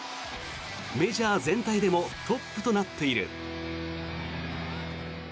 メジャー全体でもトップとなっている。